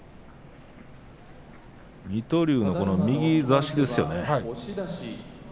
水戸龍、右差しですよね